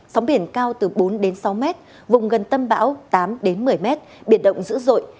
sóng biển cao từ bốn đến sáu mét vùng gần tâm bão tám đến một mươi m biển động dữ dội